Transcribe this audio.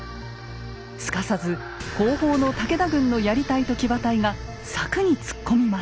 すかさず後方の武田軍のやり隊と騎馬隊が柵に突っ込みます。